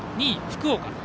２位、福岡。